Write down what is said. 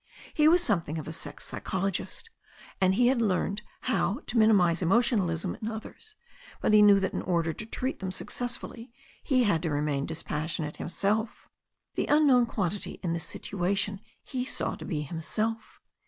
He was something of a sex psy chologist, and he had learned how to minimise emotionalism in others, but he knew that in order to treat them success fully he had to remain dispassionate himself. The unknown quantity in this situation he saw to be him self.